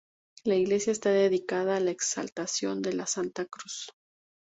La iglesia está dedicada a La Exaltación de la Santa Cruz.